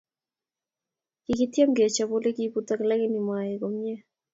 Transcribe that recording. Kikityem kechob olekibutok lakini maek komye